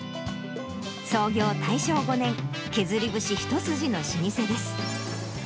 創業大正５年、削り節一筋の老舗です。